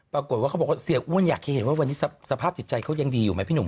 ปรากฏว่าเขาบอกว่าเสียอ้วนอยากจะเห็นว่าวันนี้สภาพจิตใจเขายังดีอยู่ไหมพี่หนุ่ม